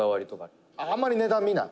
猿之助：「あんまり値段見ない」